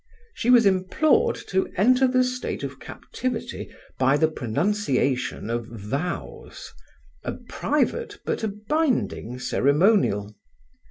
She was implored to enter the state of captivity by the pronunciation of vows a private but a binding ceremonial.